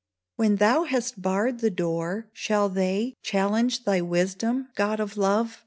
When thou hast barred the door, shall they Challenge thy wisdom, God of love